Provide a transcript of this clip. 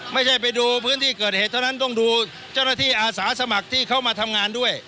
ไปดูพื้นที่เกิดเหตุเท่านั้นต้องดูเจ้าหน้าที่อาสาสมัครที่เข้ามาทำงานด้วย